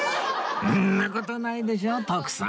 そんな事ないでしょ徳さん！